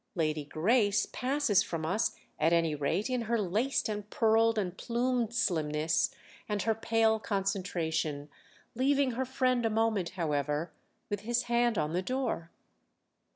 Lady Grace passes from us at any rate in her laced and pearled and plumed slimness and her pale concentration—leaving her friend a moment, however, with his hand on the door.